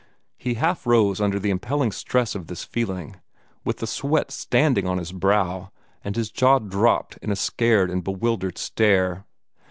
He half rose under the impelling stress of this feeling, with the sweat standing on his brow, and his jaw dropped in a scared and bewildered stare.